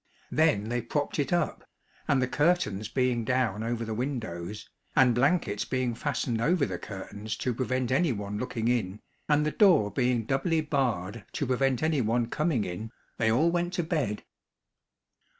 Then they propped it up, and the curtains being down over the windows, and blankets being fastened over the curtains to prevent any one looking in, and the door being doubly barred to prevent any one coming in, they all went to bed.